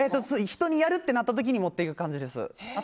人にやるってなった時に持っていく感じです。